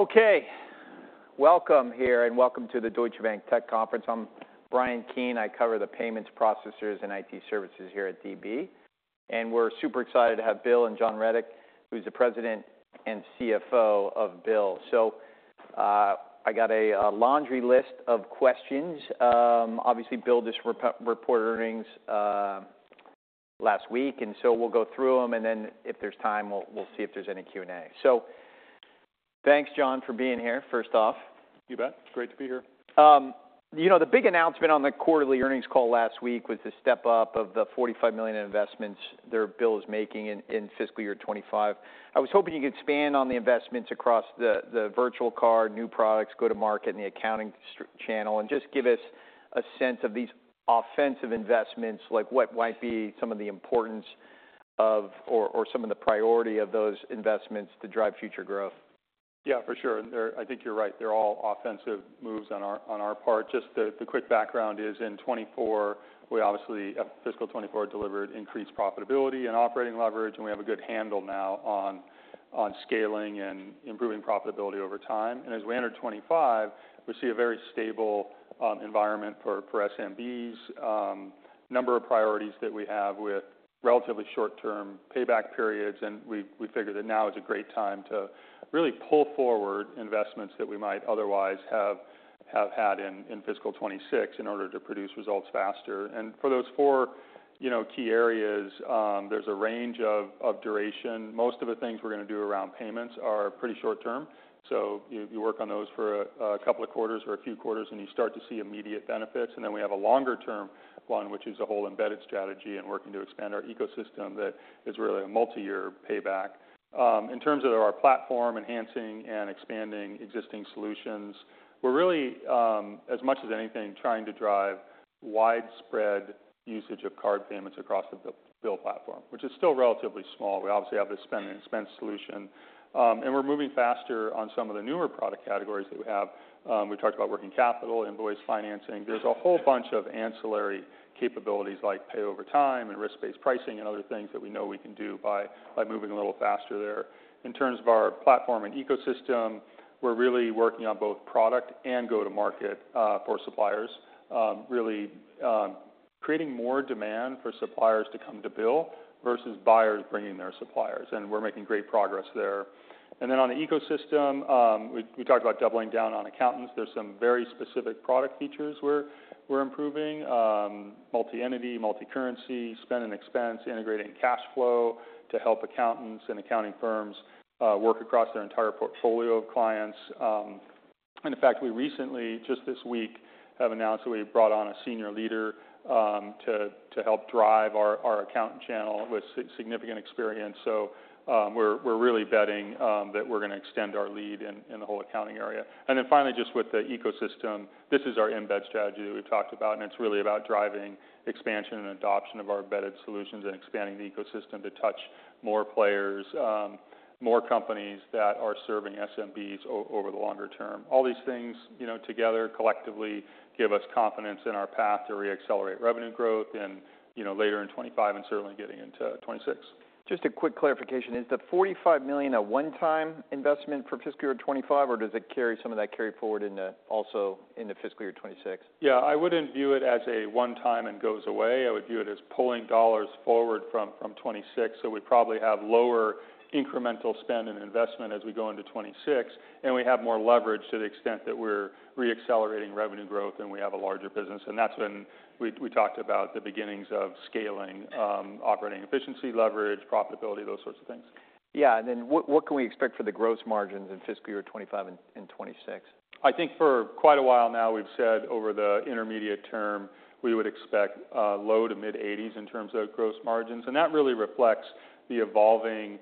Okay, welcome here, and welcome to the Deutsche Bank Tech Conference. I'm Brian Keane. I cover the payments, processors, and IT services here at DB, and we're super excited to have Bill and John Rettig, who's the president and CFO of Bill. So, I got a laundry list of questions. Obviously, Bill just reported earnings last week, and so we'll go through them, and then if there's time, we'll see if there's any Q&A. So thanks, John, for being here, first off. You bet. Great to be here. You know, the big announcement on the quarterly earnings call last week was the step-up of the $45 million investments that Bill is making in fiscal year 2025. I was hoping you could expand on the investments across the virtual card, new products, go-to-market, and the accounting strategy channel, and just give us a sense of these offensive investments, like what might be some of the importance of or some of the priority of those investments to drive future growth. For sure. They're. I think you're right. They're all offensive moves on our part. Just the quick background is, in 2024, we obviously, fiscal 2024, delivered increased profitability and operating leverage, and we have a good handle now on scaling and improving profitability over time. As we enter 2025, we see a very stable environment for SMBs. Number of priorities that we have with relatively short-term payback periods, and we figure that now is a great time to really pull forward investments that we might otherwise have had in fiscal 2026 in order to produce results faster. For those four, you know, key areas, there's a range of duration. Most of the things we're gonna do around payments are pretty short term, so you work on those for a couple of quarters or a few quarters, and you start to see immediate benefits. And then we have a longer-term one, which is a whole embedded strategy and working to expand our ecosystem that is really a multiyear payback. In terms of our platform enhancing and expanding existing solutions, we're really, as much as anything, trying to drive widespread usage of card payments across the Bill platform, which is still relatively small. We obviously have the Spend & Expense solution, and we're moving faster on some of the newer product categories that we have. We talked about working capital, invoice financing. There's a whole bunch of ancillary capabilities like Pay Over Time and risk-based pricing and other things that we know we can do by moving a little faster there. In terms of our platform and ecosystem, we're really working on both product and go-to-market for suppliers. Really, creating more demand for suppliers to come to Bill versus buyers bringing their suppliers, and we're making great progress there. And then on the ecosystem, we talked about doubling down on accountants. There's some very specific product features we're improving, multi-entity, multi-currency, Spend & Expense, integrating cash flow to help accountants and accounting firms work across their entire portfolio of clients. And in fact, we recently, just this week, have announced that we brought on a senior leader to help drive our accountant channel with significant experience. We're really betting that we're gonna extend our lead in the whole accounting area. Finally, just with the ecosystem, this is our embed strategy that we've talked about, and it's really about driving expansion and adoption of our embedded solutions and expanding the ecosystem to touch more players, more companies that are serving SMBs over the longer term. All these things, you know, together, collectively, give us confidence in our path to reaccelerate revenue growth and, you know, later in 2025 and certainly getting into 2026. Just a quick clarification. Is the $45 million a one-time investment for fiscal year 2025, or does it carry some of that carry forward into... also into fiscal year 2026? I wouldn't view it as a one-time and goes away. I would view it as pulling dollars forward from 2026, so we probably have lower incremental spend and investment as we go into 2026, and we have more leverage to the extent that we're reaccelerating revenue growth, and we have a larger business. And that's when we talked about the beginnings of scaling operating efficiency, leverage, profitability, those sorts of things. And then what can we expect for the gross margins in fiscal year 2025 and 2026? I think for quite a while now, we've said over the intermediate term, we would expect low-to-mid-80s% in terms of gross margins, and that really reflects the evolving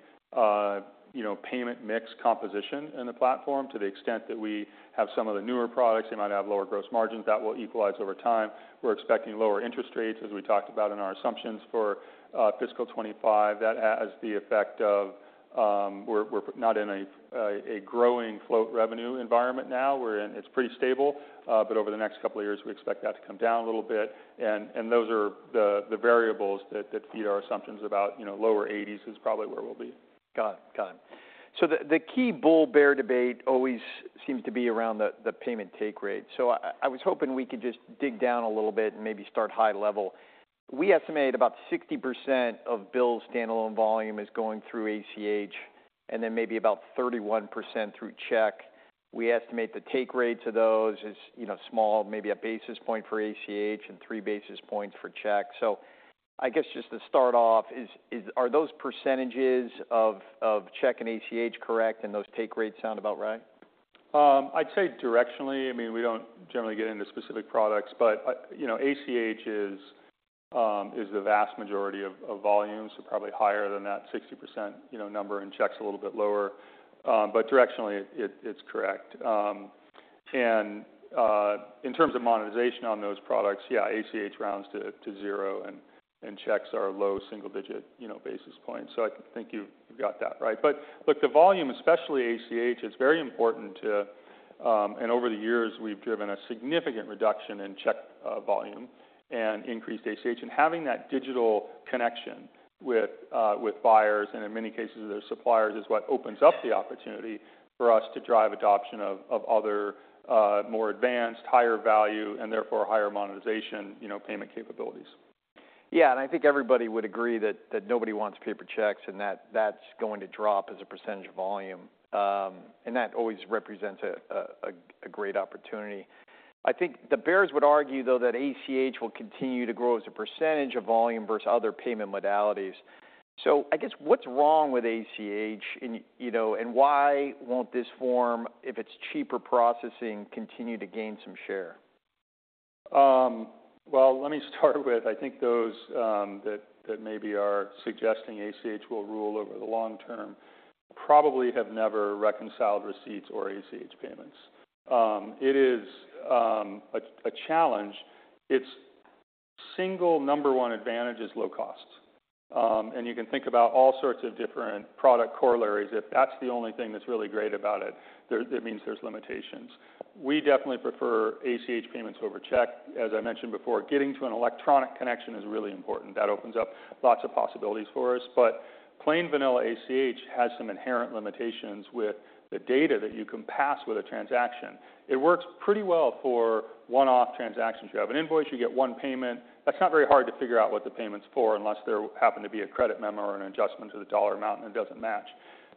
you know payment mix composition in the platform. To the extent that we have some of the newer products, they might have lower gross margins. That will equalize over time. We're expecting lower interest rates, as we talked about in our assumptions for fiscal 2025. That has the effect of we're not in a growing float revenue environment now. It's pretty stable, but over the next couple of years, we expect that to come down a little bit, and those are the variables that feed our assumptions about you know lower 80s% is probably where we'll be. Got it. So the key bull-bear debate always seems to be around the payment take rate. So I was hoping we could just dig down a little bit and maybe start high level. We estimate about 60% of Bill's standalone volume is going through ACH, and then maybe about 31% through check. We estimate the take rates of those is, you know, small, maybe a basis point for ACH and three basis points for check. So I guess just to start off, are those percentages of check and ACH correct, and those take rates sound about right? I'd say directionally, I mean, we don't generally get into specific products, but, you know, ACH is the vast majority of volume, so probably higher than that 60% number, and checks a little bit lower. But directionally, it's correct. And in terms of monetization on those products, ACH rounds to zero, and checks are low single digit basis points. So I think you've got that right. But the volume, especially ACH, is very important to-... and over the years, we've driven a significant reduction in check volume and increased ACH. Having that digital connection with buyers, and in many cases, their suppliers, is what opens up the opportunity for us to drive adoption of other more advanced, higher value, and therefore, higher monetization, you know, payment capabilities. And I think everybody would agree that nobody wants paper checks, and that that's going to drop as a percentage volume. And that always represents a great opportunity. I think the bears would argue, though, that ACH will continue to grow as a percentage of volume versus other payment modalities. So I guess, what's wrong with ACH, and you know, and why won't this form, if it's cheaper processing, continue to gain some share? Well, let me start with. I think those that maybe are suggesting ACH will rule over the long term probably have never reconciled receipts or ACH payments. It is a challenge. Its single number one advantage is low cost. And you can think about all sorts of different product corollaries. If that's the only thing that's really great about it, it means there's limitations. We definitely prefer ACH payments over check. As I mentioned before, getting to an electronic connection is really important. That opens up lots of possibilities for us. But plain vanilla ACH has some inherent limitations with the data that you can pass with a transaction. It works pretty well for one-off transactions. You have an invoice, you get one payment. That's not very hard to figure out what the payment's for, unless there happened to be a credit memo or an adjustment to the dollar amount, and it doesn't match.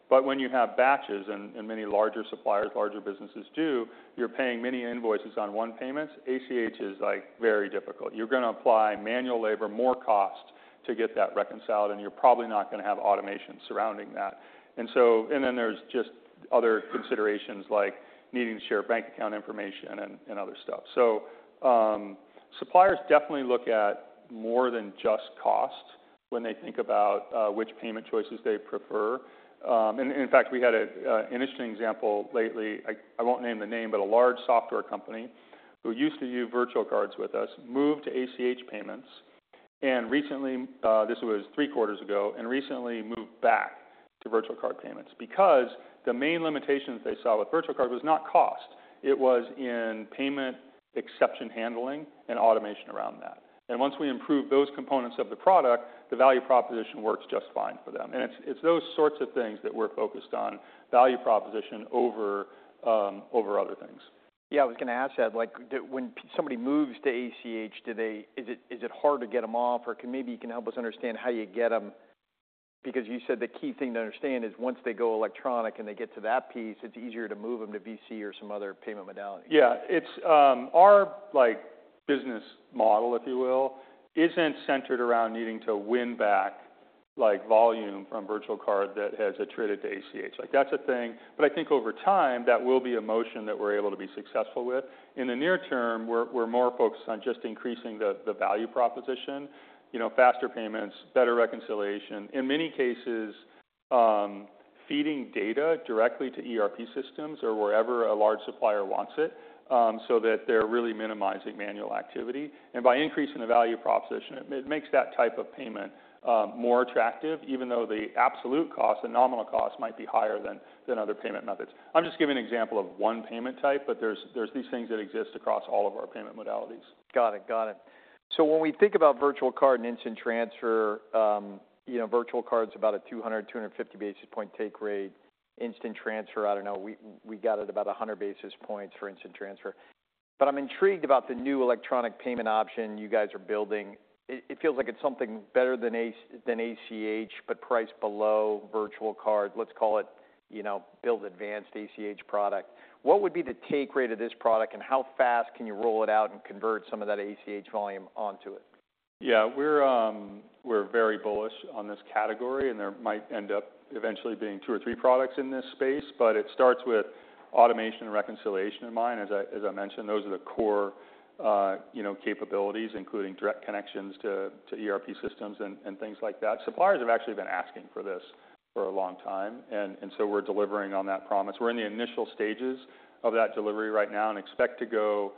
But when you have batches, and many larger suppliers, larger businesses do, you're paying many invoices on one payment, ACH is, like, very difficult. You're gonna apply manual labor, more cost, to get that reconciled, and you're probably not gonna have automation surrounding that. And so. And then there's just other considerations, like needing to share bank account information and other stuff. So, suppliers definitely look at more than just cost when they think about which payment choices they prefer. And, in fact, we had an interesting example lately. I won't name the name, but a large software company who used to use virtual cards with us moved to ACH payments, and recently, this was three quarters ago, and recently moved back to virtual card payments because the main limitations they saw with virtual card was not cost, it was in payment exception handling and automation around that, and once we improved those components of the product, the value proposition works just fine for them, and it's those sorts of things that we're focused on, value proposition over other things. I was gonna ask that, like, when somebody moves to ACH, do they... Is it hard to get them off? Or maybe you can help us understand how you get them, because you said the key thing to understand is once they go electronic and they get to that piece, it's easier to move them to VC or some other payment modality. It's our like business model, if you will, isn't centered around needing to win back like volume from virtual card that has attrited to ACH. Like, that's a thing, but I think over time, that will be a motion that we're able to be successful with. In the near term, we're more focused on just increasing the value proposition, you know, faster payments, better reconciliation. In many cases, feeding data directly to ERP systems or wherever a large supplier wants it, so that they're really minimizing manual activity. And by increasing the value proposition, it makes that type of payment more attractive, even though the absolute cost and nominal cost might be higher than other payment methods. I'm just giving an example of one payment type, but there's these things that exist across all of our payment modalities. Got it. Got it. So when we think about virtual card and Instant Transfer, you know, virtual card's about a 200-250 basis point take rate. Instant Transfer, I don't know, we got it about a 100 basis points for Instant Transfer. But I'm intrigued about the new electronic payment option you guys are building. It feels like it's something better than ACH, but priced below virtual card. Let's call it, you know, Bill's advanced ACH product. What would be the take rate of this product, and how fast can you roll it out and convert some of that ACH volume onto it? We're very bullish on this category, and there might end up eventually being two or three products in this space. But it starts with automation and reconciliation in mind. As I mentioned, those are the core, you know, capabilities, including direct connections to ERP systems and things like that. Suppliers have actually been asking for this for a long time, and so we're delivering on that promise. We're in the initial stages of that delivery right now and expect to go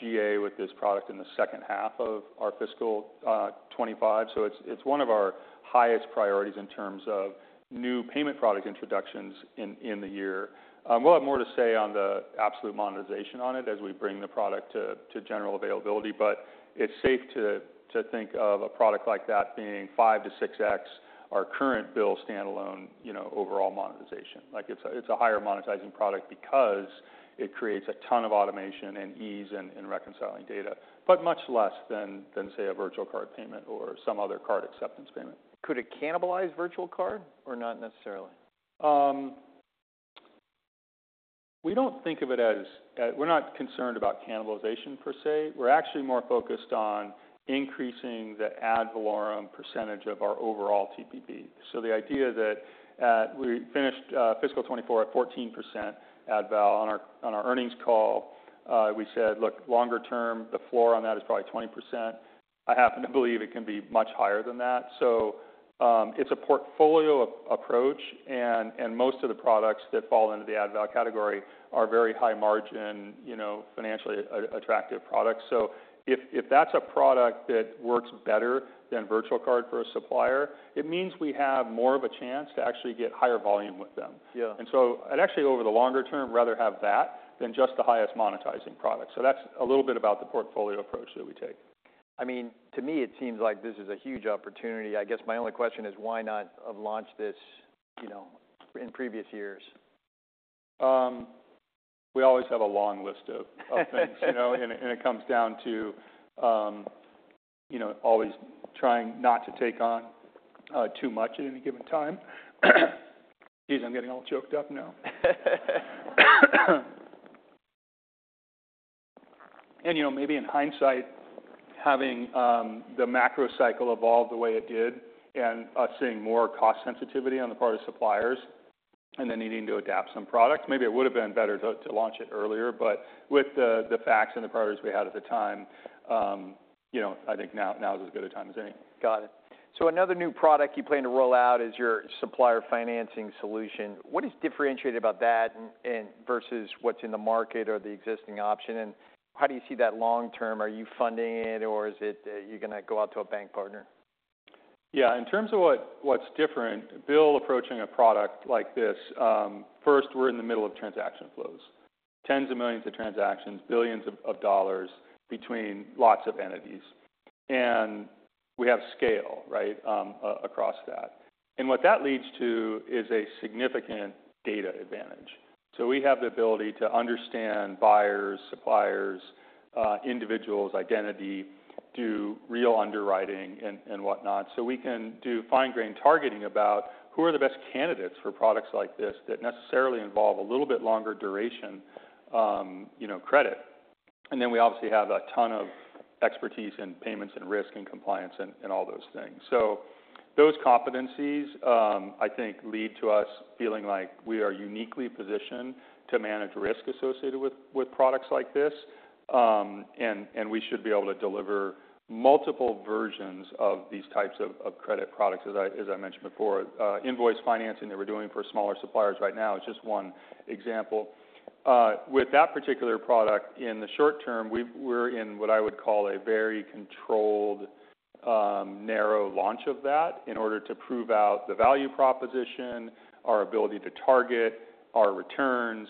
GA with this product in the second half of our fiscal 2025. So it's one of our highest priorities in terms of new payment product introductions in the year. We'll have more to say on the absolute monetization on it as we bring the product to general availability, but it's safe to think of a product like that being five to six X our current Bill standalone, you know, overall monetization. Like, it's a higher monetizing product because it creates a ton of automation and ease in reconciling data, but much less than, say, a virtual card payment or some other card acceptance payment. Could it cannibalize virtual card, or not necessarily? We don't think of it as. We're not concerned about cannibalization per se. We're actually more focused on increasing the ad valorem percentage of our overall TPV. So the idea that we finished fiscal 2024 at 14% ad val. On our earnings call, we said, "Look, longer term, the floor on that is probably 20%." I happen to believe it can be much higher than that. So it's a portfolio approach, and most of the products that fall into the ad val category are very high margin, you know, financially attractive products. So if that's a product that works better than virtual card for a supplier, it means we have more of a chance to actually get higher volume with them. Actually, over the longer term, rather have that than just the highest monetizing product, so that's a little bit about the portfolio approach that we take. To me, it seems like this is a huge opportunity. I guess my only question is, why not have launched this, you know, in previous years? We always have a long list of things, you know, and it comes down to, you know, always trying not to take on too much at any given time. Geez, I'm getting all choked up now. You know, maybe in hindsight, having the macro cycle evolve the way it did, and us seeing more cost sensitivity on the part of suppliers, and then needing to adapt some products, maybe it would've been better to launch it earlier. But with the facts and the partners we had at the time, you know, I think now is as good a time as any. Got it. So another new product you plan to roll out is your supplier financing solution. What is differentiated about that, and versus what's in the market or the existing option, and how do you see that long term? Are you funding it, or is it that you're gonna go out to a bank partner? In terms of what, what's different, Bill, approaching a product like this, first, we're in the middle of transaction flows, tens of millions of transactions, billions of dollars between lots of entities. And we have scale, right, across that. And what that leads to is a significant data advantage. So we have the ability to understand buyers, suppliers, individuals' identity, do real underwriting, and whatnot, so we can do fine grain targeting about who are the best candidates for products like this, that necessarily involve a little bit longer duration, you know, credit. And then we obviously have a ton of expertise in payments, and risk, and compliance, and all those things. So those competencies, I think, lead to us feeling like we are uniquely positioned to manage risk associated with products like this. We should be able to deliver multiple versions of these types of credit products, as I mentioned before. Invoice financing that we're doing for smaller suppliers right now is just one example. With that particular product, in the short term, we're in what I would call a very controlled, narrow launch of that in order to prove out the value proposition, our ability to target, our returns,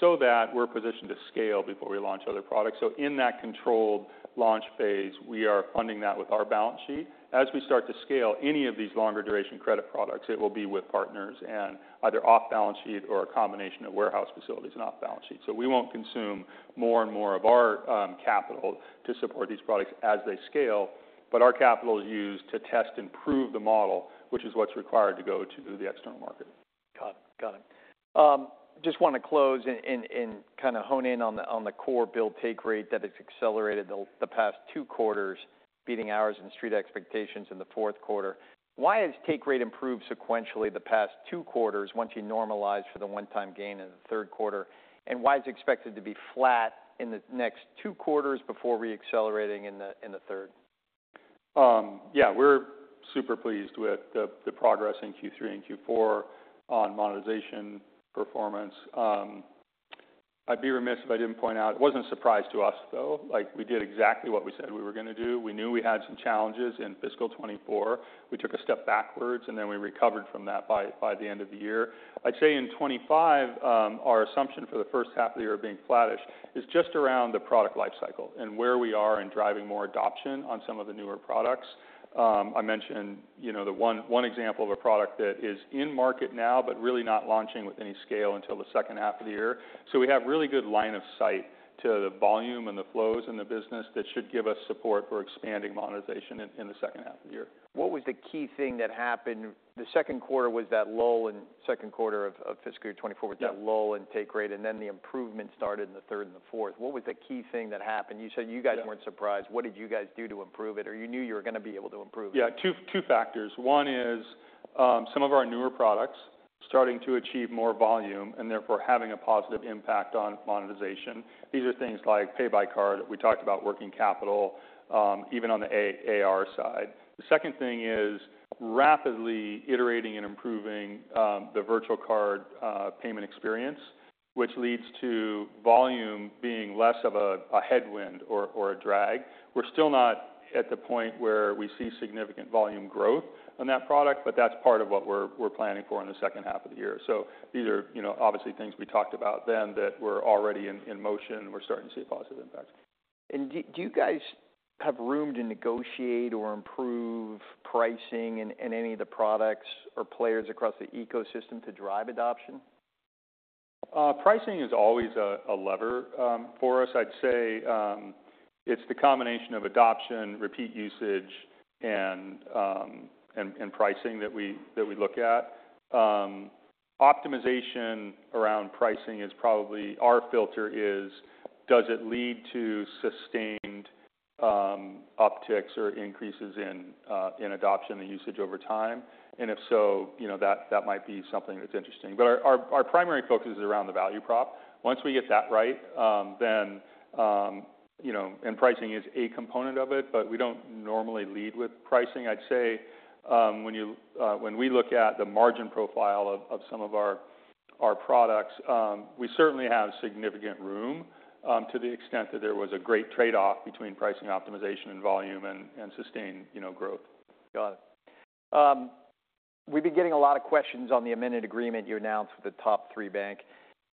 so that we're positioned to scale before we launch other products. So in that controlled launch phase, we are funding that with our balance sheet. As we start to scale any of these longer duration credit products, it will be with partners, and either off balance sheet or a combination of warehouse facilities and off balance sheet. We won't consume more and more of our capital to support these products as they scale, but our capital is used to test and prove the model, which is what's required to go to the external market. Got it. Just wanna close and kinda hone in on the core Bill take rate, that it's accelerated the past two quarters, beating ours and Street expectations in the Q4. Why has take rate improved sequentially the past two quarters, once you normalize for the one-time gain in the Q3? And why is it expected to be flat in the next two quarters before re-accelerating in the third? We're super pleased with the progress in Q3 and Q4 on monetization performance. I'd be remiss if I didn't point out it wasn't a surprise to us, though. Like, we did exactly what we said we were gonna do. We knew we had some challenges in fiscal 2024. We took a step backwards, and then we recovered from that by the end of the year. I'd say in 2025, our assumption for the first half of the year being flattish is just around the product life cycle, and where we are in driving more adoption on some of the newer products. I mentioned, you know, the one example of a product that is in market now, but really not launching with any scale until the second half of the year. We have really good line of sight to the volume and the flows in the business that should give us support for expanding monetization in the second half of the year. What was the key thing that happened? The Q2 was that lull in Q2 of fiscal year 2024- Yeah Was that lull in take rate, and then the improvement started in the third and the fourth? What was the key thing that happened? You said- Yeah You guys weren't surprised. What did you guys do to improve it? Or you knew you were gonna be able to improve it? Two factors. One is, some of our newer products starting to achieve more volume, and therefore, having a positive impact on monetization. These are things like Pay By Card. We talked about working capital, even on the AR side. The second thing is rapidly iterating and improving, the virtual card payment experience, which leads to volume being less of a headwind or a drag. We're still not at the point where we see significant volume growth on that product, but that's part of what we're planning for in the second half of the year. So these are, you know, obviously, things we talked about then that were already in motion, and we're starting to see a positive impact. Do you guys have room to negotiate or improve pricing in any of the products or players across the ecosystem to drive adoption? Pricing is always a lever. For us, I'd say, it's the combination of adoption, repeat usage, and pricing that we look at. Optimization around pricing is probably... Our filter is, does it lead to sustained upticks or increases in adoption and usage over time? And if so, you know, that might be something that's interesting. But our primary focus is around the value prop. Once we get that right, then, you know, and pricing is a component of it, but we don't normally lead with pricing. I'd say, when we look at the margin profile of some of our products, we certainly have significant room to the extent that there was a great trade-off between pricing optimization and volume and sustained, you know, growth. Got it. We've been getting a lot of questions on the amended agreement you announced with the top three banks.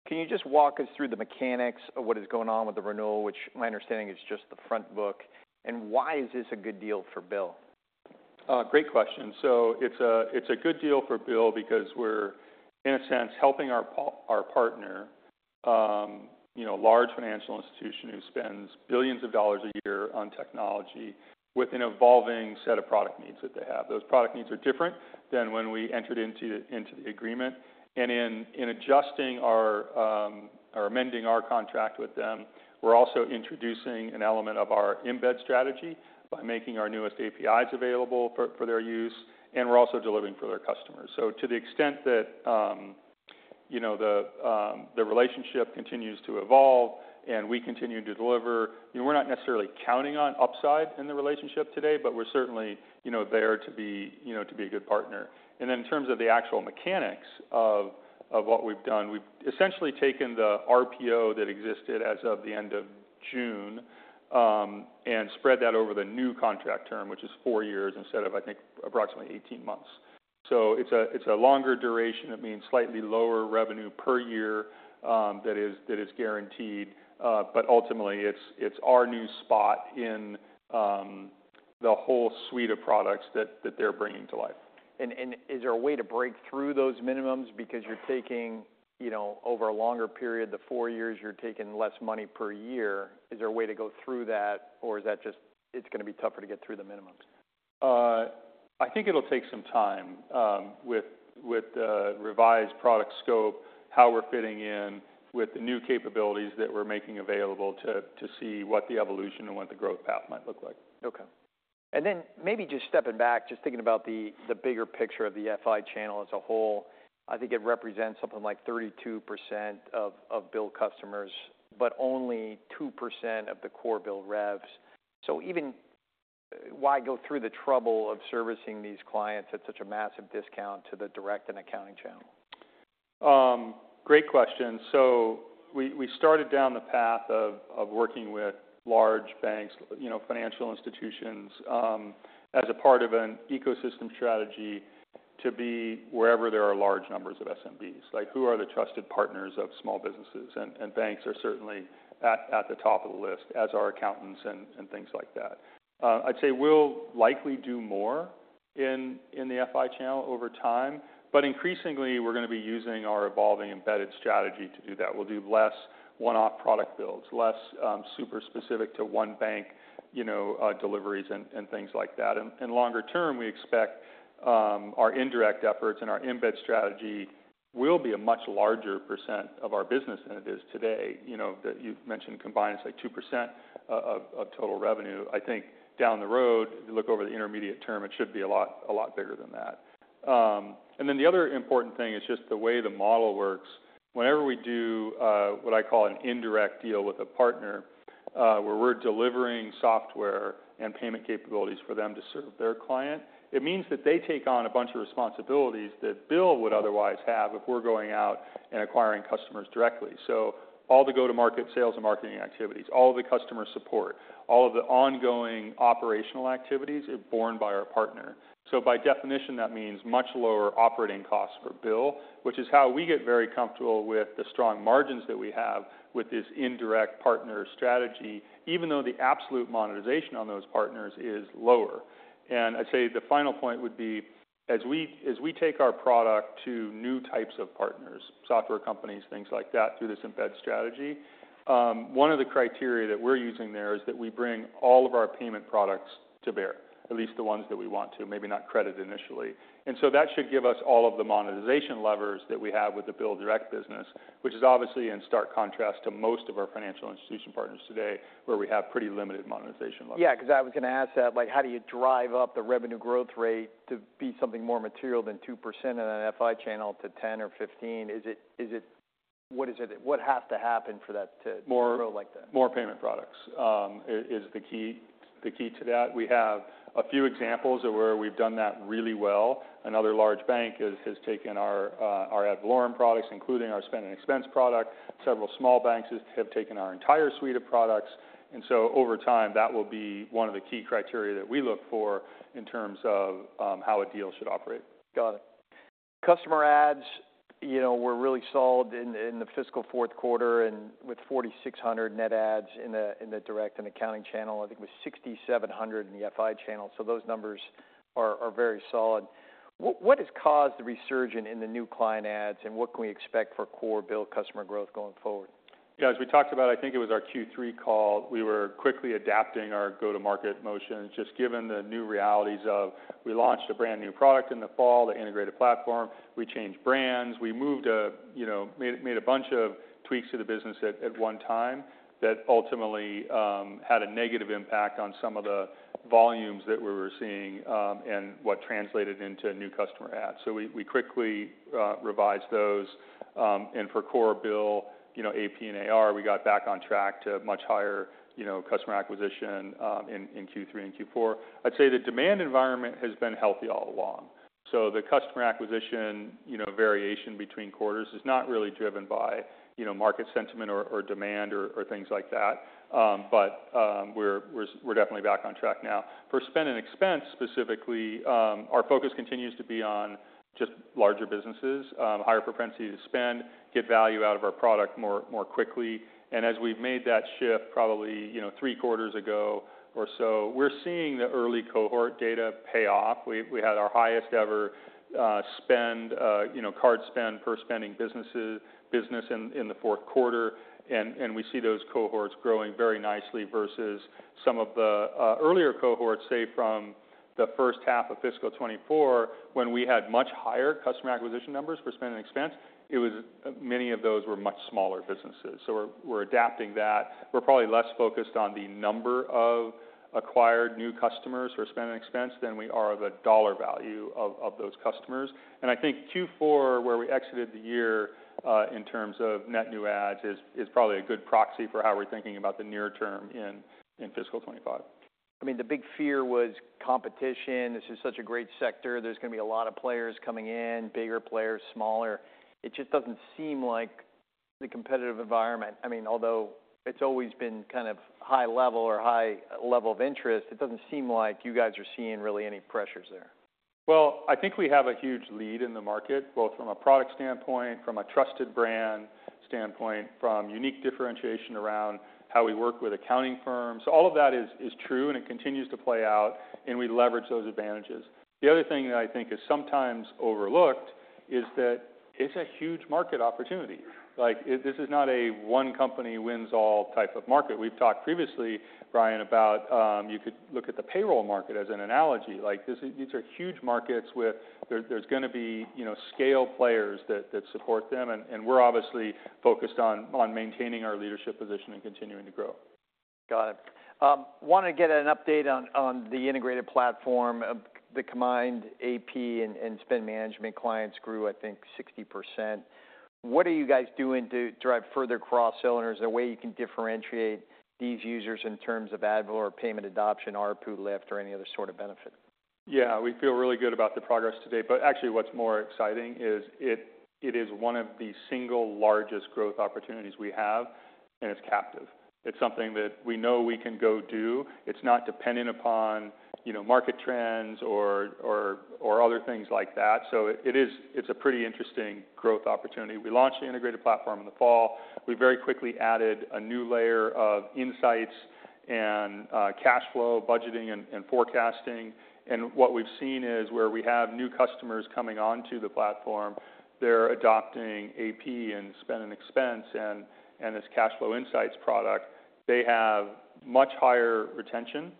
Can you just walk us through the mechanics of what is going on with the renewal, which my understanding is just the front book, and why is this a good deal for Bill? Great question. So it's a good deal for Bill because we're, in a sense, helping our partner, you know, a large financial institution who spends billions of dollars a year on technology with an evolving set of product needs that they have. Those product needs are different than when we entered into the agreement. And in adjusting our or amending our contract with them, we're also introducing an element of our embed strategy by making our newest APIs available for their use, and we're also delivering for their customers. So to the extent that, you know, the relationship continues to evolve and we continue to deliver, you know, we're not necessarily counting on upside in the relationship today, but we're certainly, you know, there to be, you know, to be a good partner. And then in terms of the actual mechanics of what we've done, we've essentially taken the RPO that existed as of the end of June and spread that over the new contract term, which is four years, instead of, I think, approximately eighteen months. So it's a longer duration, it means slightly lower revenue per year that is guaranteed. But ultimately, it's our new spot in the whole suite of products that they're bringing to life. Is there a way to break through those minimums? Because you're taking, you know, over a longer period, the four years, you're taking less money per year. Is there a way to go through that, or is that just, it's gonna be tougher to get through the minimums? I think it'll take some time, with the revised product scope, how we're fitting in with the new capabilities that we're making available, to see what the evolution and what the growth path might look like. Okay, and then maybe just stepping back, just thinking about the bigger picture of the FI channel as a whole, I think it represents something like 32% of Bill customers, but only 2% of the core Bill revs. So even why go through the trouble of servicing these clients at such a massive discount to the direct and accounting channel? Great question. So we started down the path of working with large banks, you know, financial institutions, as a part of an ecosystem strategy to be wherever there are large numbers of SMBs. Like, who are the trusted partners of small businesses? And banks are certainly at the top of the list, as are accountants and things like that. I'd say we'll likely do more in the FI channel over time, but increasingly, we're gonna be using our evolving embedded strategy to do that. We'll do less one-off product builds, less super specific to one bank, you know, deliveries and things like that. And longer term, we expect our indirect efforts and our embed strategy will be a much larger percent of our business than it is today. You know, that you've mentioned combined, it's like 2% of total revenue. I think down the road, if you look over the intermediate term, it should be a lot bigger than that. and then the other important thing is just the way the model works. Whenever we do what I call an indirect deal with a partner, where we're delivering software and payment capabilities for them to serve their client, it means that they take on a bunch of responsibilities that Bill would otherwise have if we're going out and acquiring customers directly. so all the go-to-market sales and marketing activities, all of the customer support, all of the ongoing operational activities are borne by our partner. So by definition, that means much lower operating costs for Bill, which is how we get very comfortable with the strong margins that we have with this indirect partner strategy, even though the absolute monetization on those partners is lower. And I'd say the final point would be, as we take our product to new types of partners, software companies, things like that, through this embed strategy, one of the criteria that we're using there is that we bring all of our payment products to bear, at least the ones that we want to, maybe not credit initially. And so that should give us all of the monetization levers that we have with the Bill direct business, which is obviously in stark contrast to most of our financial institution partners today, where we have pretty limited monetization levers. Because I was gonna ask that, like, how do you drive up the revenue growth rate to be something more material than 2% in an FI channel to 10 or 15? Is it... What has to happen for that to- More- grow like that? More payment products is the key to that. We have a few examples of where we've done that really well. Another large bank has taken our our Ad Valorem products, including our Spend & Expense product. Several small banks have taken our entire suite of products. And so over time, that will be one of the key criteria that we look for in terms of how a deal should operate. Got it. Customer adds, you know, were really solid in the fiscal Q4, and with 4,600 net adds in the direct and accounting channel. I think it was 6,700 in the FI channel, so those numbers are very solid. What has caused the resurgence in the new client adds, and what can we expect for core Bill customer growth going forward? As we talked about, I think it was our Q3 call, we were quickly adapting our go-to-market motion, just given the new realities of we launched a brand-new product in the fall, the integrated platform. We changed brands, we moved, you know, made a bunch of tweaks to the business at one time that ultimately had a negative impact on some of the volumes that we were seeing, and what translated into new customer adds. So we quickly revised those. And for core Bill, you know, AP and AR, we got back on track to much higher, you know, customer acquisition in Q3 and Q4. I'd say the demand environment has been healthy all along. So the customer acquisition, you know, variation between quarters is not really driven by, you know, market sentiment or, or demand or, or things like that. But we're definitely back on track now. For Spend & Expense, specifically, our focus continues to be on just larger businesses, higher propensity to spend, get value out of our product more quickly. And as we've made that shift, probably, you know, three quarters ago or so, we're seeing the early cohort data pay off. We had our highest ever spend, you know, card spend per spending business in the Q4. And we see those cohorts growing very nicely versus some of the earlier cohorts, say, from the first half of fiscal 2024, when we had much higher customer acquisition numbers for Spend & Expense. Many of those were much smaller businesses. So we're adapting that. We're probably less focused on the number of acquired new customers for sSpend & Expense than we are of the dollar value of those customers. And I think Q4, where we exited the year, in terms of net new adds, is probably a good proxy for how we're thinking about the near term in fiscal 2025. I mean, the big fear was competition. This is such a great sector. There's gonna be a lot of players coming in, bigger players, smaller. It just doesn't seem like the competitive environment... I mean, although it's always been high level or high level of interest, it doesn't seem like you guys are seeing really any pressures there. I think we have a huge lead in the market, both from a product standpoint, from a trusted brand standpoint, from unique differentiation around how we work with accounting firms. All of that is true, and it continues to play out, and we leverage those advantages. The other thing that I think is sometimes overlooked is that it's a huge market opportunity. Like, this is not a one company wins all type of market. We've talked previously, Brian, about you could look at the payroll market as an analogy. Like, these are huge markets with... There, there's gonna be, you know, scale players that support them, and we're obviously focused on maintaining our leadership position and continuing to grow. Got it. Want to get an update on the integrated platform. The combined AP and spend management clients grew, I think, 60%. What are you guys doing to drive further cross-sell? Is there a way you can differentiate these users in terms of AP or AR adoption, ARPU lift, or any other benefit? We feel really good about the progress today, but actually, what's more exciting is it is one of the single largest growth opportunities we have, and it's captive. It's something that we know we can go do. It's not dependent upon, you know, market trends or other things like that. So it is, it's a pretty interesting growth opportunity. We launched the integrated platform in the fall. We very quickly added a new layer of insights and cash flow, budgeting, and forecasting. And what we've seen is, where we have new customers coming onto the platform, they're adopting AP and Spend & Expense and this Cash Flow Insights product. They have much higher retention.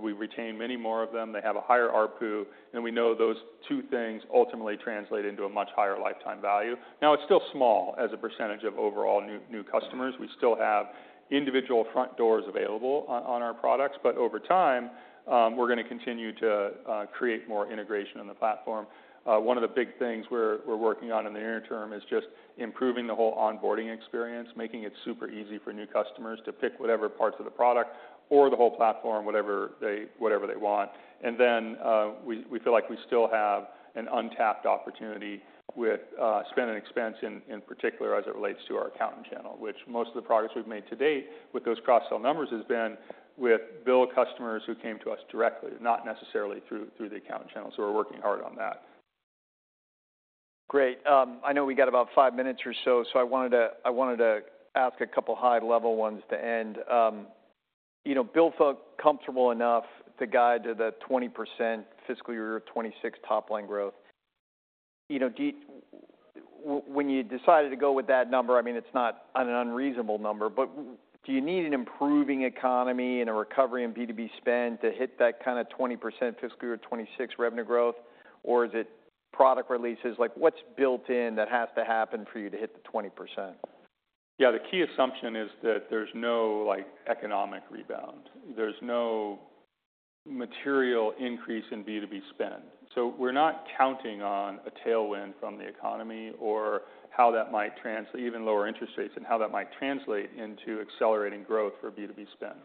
We retain many more of them. They have a higher ARPU, and we know those two things ultimately translate into a much higher lifetime value. Now, it's still small as a percentage of overall new customers. We still have individual front doors available on our products, but over time, we're gonna continue to create more integration in the platform. One of the big things we're working on in the near term is just improving the whole onboarding experience, making it super easy for new customers to pick whatever parts of the product or the whole platform, whatever they want, and then we feel like we still have an untapped opportunity with Spend & Expense in particular, as it relates to our accountant channel, which most of the progress we've made to date with those cross-sell numbers has been with Bill customers who came to us directly, not necessarily through the accountant channels, so we're working hard on that. Great. I know we got about five minutes or so, so I wanted to ask a couple high-level ones to end. You know, Bill felt comfortable enough to guide to the 20% fiscal year of 2026 top-line growth. You know, when you decided to go with that number, I mean, it's not an unreasonable number, but do you need an improving economy and a recovery in B2B spend to hit that 20% fiscal year 2026 revenue growth, or is it product releases? Like, what's built in that has to happen for you to hit the 20%? The key assumption is that there's no, like, economic rebound. There's no material increase in B2B spend. So we're not counting on a tailwind from the economy or how that might translate into even lower interest rates, and how that might translate into accelerating growth for B2B spend.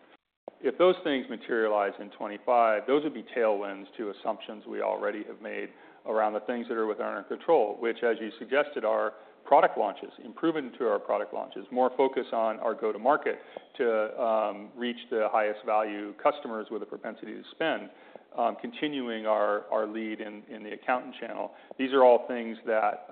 If those things materialize in 2025, those would be tailwinds to assumptions we already have made around the things that are within our control, which, as you suggested, are product launches, improvement to our product launches, more focus on our go-to-market to reach the highest value customers with a propensity to spend, continuing our lead in the accountant channel. These are all things that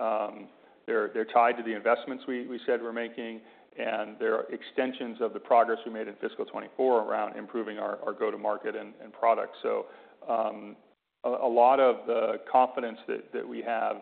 they're tied to the investments we said we're making, and they're extensions of the progress we made in fiscal 2024 around improving our go-to-market and product. So, a lot of the confidence that we have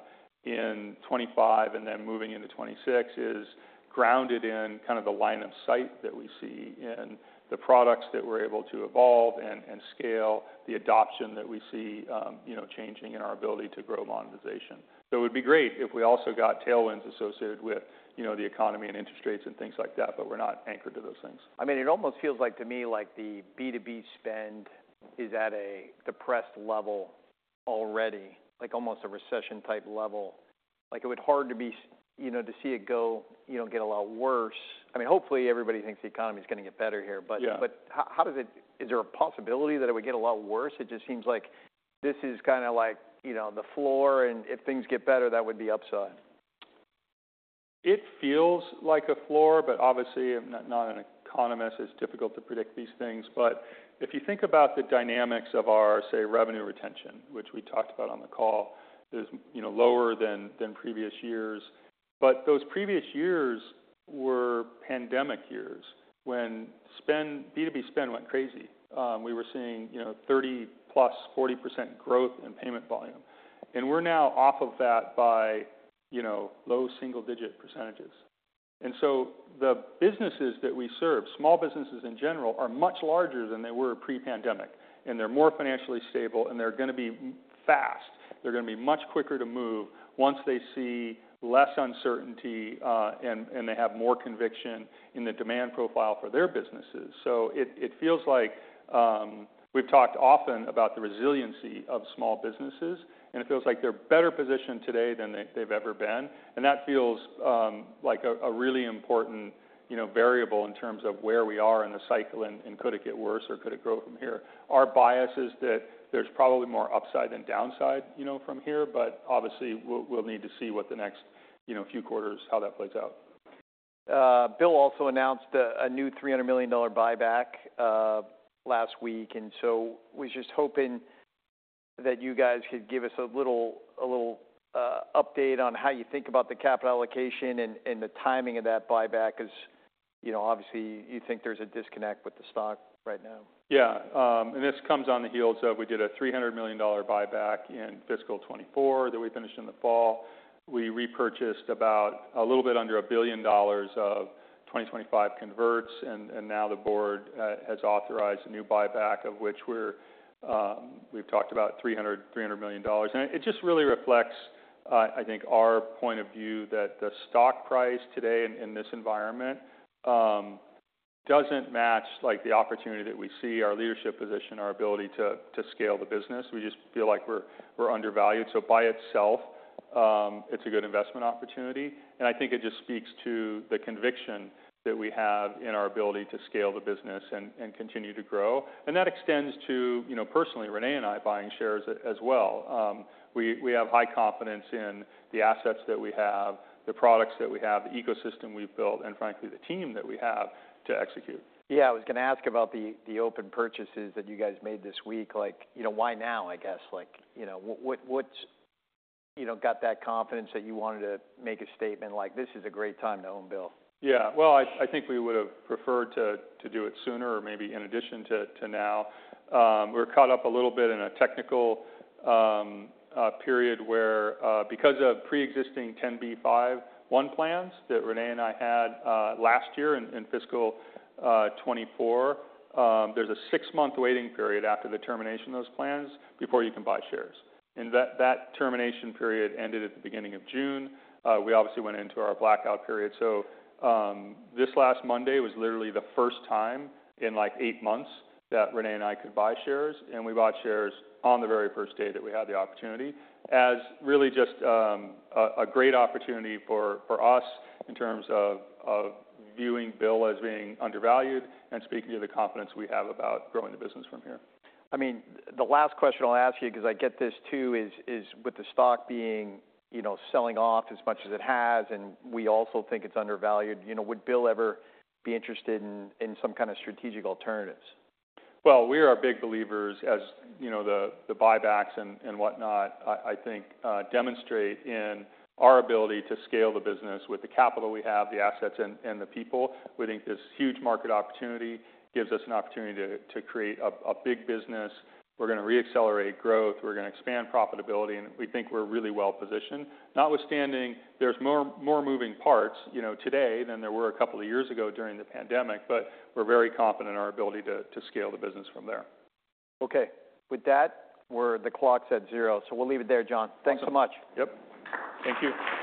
in 2025 and then moving into 2026 is grounded in the line of sight that we see in the products that we're able to evolve and scale, the adoption that we see, you know, changing, and our ability to grow monetization. So it would be great if we also got tailwinds associated with, you know, the economy and interest rates and things like that, but we're not anchored to those things. I mean, it almost feels like to me, like the B2B spend is at a depressed level already, like almost a recession-type level... Like, it would be hard to, you know, see it go, you know, get a lot worse. I mean, hopefully everybody thinks the economy is gonna get better here, but- Yeah. But how, how does it... Is there a possibility that it would get a lot worse? It just seems like this is kinda like, you know, the floor, and if things get better, that would be upside. It feels like a floor, but obviously, I'm not an economist, it's difficult to predict these things. But if you think about the dynamics of our, say, revenue retention, which we talked about on the call, is, you know, lower than previous years. But those previous years were pandemic years, when B2B spend went crazy. We were seeing, you know, 30-plus, 40% growth in payment volume, and we're now off of that by, you know, low single-digit %. And so the businesses that we serve, small businesses in general, are much larger than they were pre-pandemic, and they're more financially stable, and they're gonna be fast. They're gonna be much quicker to move once they see less uncertainty, and they have more conviction in the demand profile for their businesses. So it feels like... We've talked often about the resiliency of small businesses, and it feels like they're better positioned today than they, they've ever been, and that feels like a really important, you know, variable in terms of where we are in the cycle, and could it get worse or could it grow from here? Our bias is that there's probably more upside than downside, you know, from here, but obviously, we'll need to see what the next, you know, few quarters, how that plays out. Bill also announced a new $300 million buyback last week, and so was just hoping that you guys could give us a little update on how you think about the capital allocation and the timing of that buyback, because, you know, obviously you think there's a disconnect with the stock right now. And this comes on the heels of we did a $300 million buyback in fiscal 2024 that we finished in the fall. We repurchased about a little bit under $1 billion of 2025 converts, and now the board has authorized a new buyback, of which we've talked about $300 million. And it just really reflects, I think, our point of view that the stock price today in this environment doesn't match like the opportunity that we see, our leadership position, our ability to scale the business. We just feel like we're undervalued. So by itself, it's a good investment opportunity, and I think it just speaks to the conviction that we have in our ability to scale the business and continue to grow. That extends to, you know, personally, René and I buying shares as well. We have high confidence in the assets that we have, the products that we have, the ecosystem we've built, and frankly, the team that we have to execute. I was gonna ask about the open purchases that you guys made this week. Like, you know, why now? I guess like, you know, what's, you know, got that confidence that you wanted to make a statement like, "This is a great time to own Bill? We would've preferred to do it sooner or maybe in addition to now. We're caught up a little bit in a technical period where because of pre-existing 10b5-1 plans that René and I had last year in fiscal 2024, there's a six-month waiting period after the termination of those plans before you can buy shares. And that termination period ended at the beginning of June. We obviously went into our blackout period. This last Monday was literally the first time in, like, eight months that René and I could buy shares, and we bought shares on the very first day that we had the opportunity, as really just a great opportunity for us in terms of viewing Bill as being undervalued, and speaking to the confidence we have about growing the business from here. I mean, the last question I'll ask you, because I get this too, is: with the stock being, you know, selling off as much as it has, and we also think it's undervalued, you know, would Bill ever be interested in some strategic alternatives? We are big believers, as you know, the buybacks and whatnot. I think demonstrate in our ability to scale the business with the capital we have, the assets, and the people. We think this huge market opportunity gives us an opportunity to create a big business. We're gonna re-accelerate growth, we're gonna expand profitability, and we think we're really well positioned. Notwithstanding, there's more moving parts, you know, today than there were a couple of years ago during the pandemic, but we're very confident in our ability to scale the business from there. Okay. With that, we're, the clock's at zero, so we'll leave it there, John. Awesome. Thanks so much. Yep. Thank you.